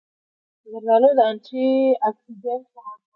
زردالو د انټي اکسېډنټ مواد لري.